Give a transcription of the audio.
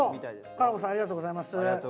かなこさんありがとうございます。